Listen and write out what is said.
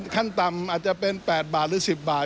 ขั้นต่ำอาจจะเป็น๘๑๐บาท